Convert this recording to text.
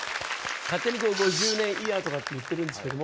勝手に５０年イヤーとかって言ってるんですけども